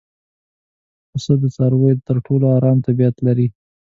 پسه د څارویو تر ټولو ارام طبیعت لري.